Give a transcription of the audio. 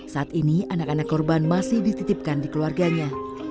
saat ini anak anak korban masih dititipkan di keluarganya